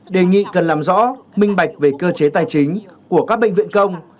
đề nghị cần làm rõ minh bạch về cơ chế tài chính của các bệnh viện công